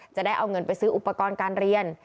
จะได้เอาเงินไปซื้ออุปกรณ์การเรียน